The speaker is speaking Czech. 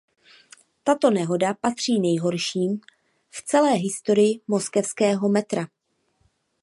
Tato nehoda patří nejhorším v celé historii Moskevského metra.